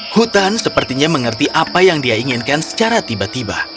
hutan sepertinya mengerti apa yang dia inginkan secara tiba tiba